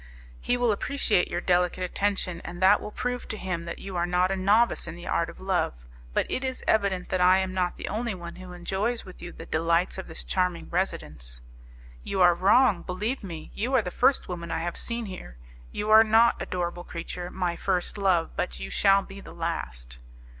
"He will appreciate your delicate attention, and that will prove to him that you are not a novice in the art of love. But it is evident that I am not the only one who enjoys with you the delights of this charming residence." "You are wrong, believe me: you are the first woman I have seen here. You are not, adorable creature, my first love, but you shall be the last."